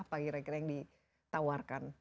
apa kira kira yang ditawarkan